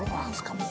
もう。